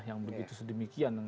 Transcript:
yang begitu sedemikian